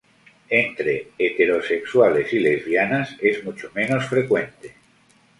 Entre heterosexuales y lesbianas es mucho menos frecuente.